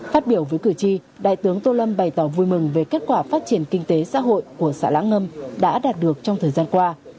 phát biểu với cử tri đại tướng tô lâm bày tỏ vui mừng về kết quả phát triển kinh tế xã hội của xã lãng ngâm đã đạt được trong thời gian qua